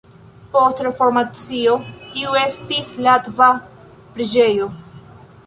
Post Reformacio tiu estis latva preĝejo.